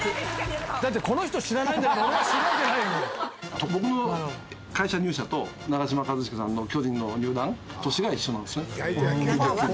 だってこの人知らないんだか僕の会社入社と長嶋一茂さんの巨人の入団、年が一緒なんですね。